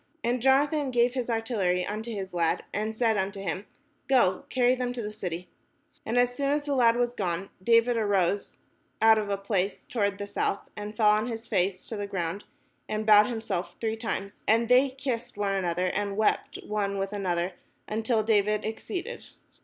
And Jonathan gave his artillery unto his lad, and said unto him, "Go, carry them to the city." And as soon as the lad was gone, David arose out of a place toward the south, and fell on his face to the ground, and bowed himself three times : and they kissed one another, and wept one with another, until David exceeded.